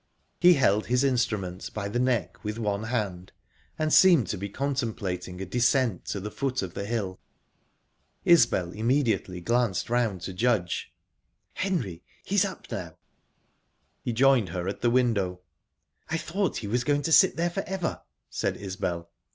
He held his instrument by the neck with one hand, and seemed to be contemplating a descent to the foot of the hill. Isbel immediately glanced round to Judge. "Henry, he's up now." He joined her at the window. "I thought he was going to sit there for ever," said Isbel.